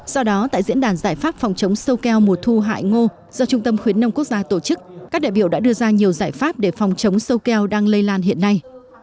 do đó tại diễn đàn giải pháp phòng chống sâu keo mùa thu hại ngô do trung tâm khuyến nông quốc gia tổ chức các đại biểu đã đưa ra nhiều giải pháp để phòng chống sâu keo đang lây lan hiện nay